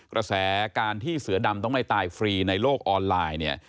กระแสการที่เสือดำต้องไม่ตายฟรีในโลกออนไลน์เนี่ย